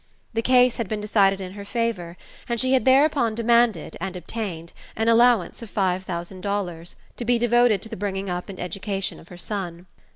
The case had been decided in her favour, and she had thereupon demanded, and obtained, an allowance of five thousand dollars, to be devoted to the bringing up and education of her son.